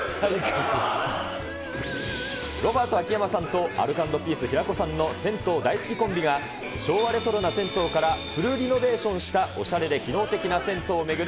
ロバート・秋山さんとアルコ＆ピース・平子さんの銭湯大好きコンビが、昭和レトロな銭湯から、フルリノベーションしたおしゃれで機能的な銭湯を巡る